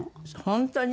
本当に？